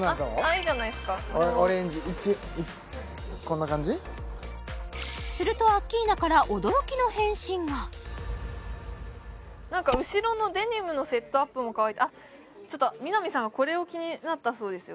いいじゃないですかオレンジこんな感じするとアッキーナからうしろのデニムのセットアップも可愛いってあちょっと南さんはこれを気になったそうですよ